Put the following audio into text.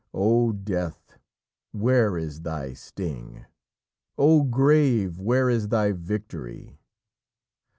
"O death, where is thy sting? O grave, where is thy victory?"